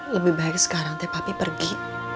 lebih baik sekarang tetapi pergi